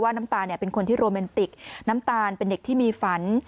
น้ำตาลเป็นคนที่โรแมนติกน้ำตาลเป็นเด็กที่มีฝัน